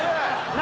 何？